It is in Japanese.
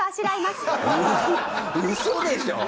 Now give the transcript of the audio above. ウソでしょ！？